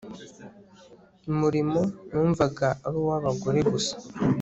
murimo numvaga ari uw'abagore gusa